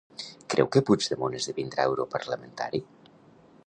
Creu que Puigdemont esdevindrà europarlamentari?